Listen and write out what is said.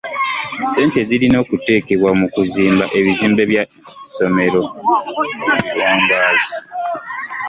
Ssente zirina okuteekebwa ku kuzimba ebizimbe by'essomero ebiwangaazi.